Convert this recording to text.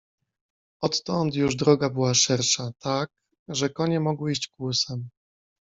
"Odtąd już droga była szersza, tak, że konie mogły iść kłusem."